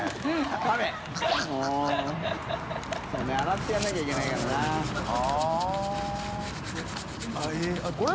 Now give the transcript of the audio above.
洗ってやらなきゃいけないからな。